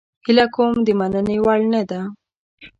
هیله کوم د مننې وړ نه ده